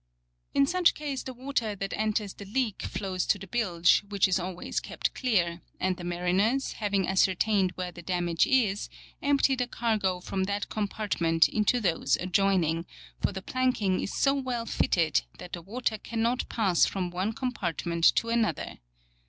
In such case the water that enters the leak flows to the bilge, which is always kept clear ; and the mariners, having ascertained where the damage is, empty the cargo from that compart 196 MARCO POLO. Book 111. merit into those adjoining, for the planking is so well fitted that the water cannot pass from one compartment to an other.